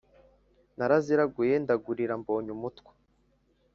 naraziraguye ndagurira mbonyumutwa